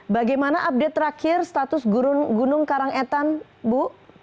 bagaimana update terakhir status gunung karangetan bu